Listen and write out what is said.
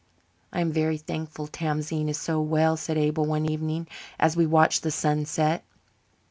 "I am very thankful Tamzine is so well," said Abel one evening as we watched the sunset.